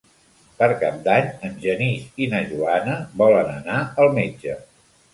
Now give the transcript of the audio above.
Per Cap d'Any en Genís i na Joana volen anar al metge.